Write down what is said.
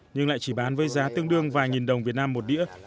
nhưng lại chỉ bán với giá tương đương vài nghìn đồng việt nam một đĩa